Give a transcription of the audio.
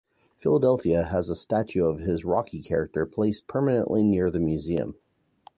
Philadelphia has a statue of his Rocky character placed permanently near the museum.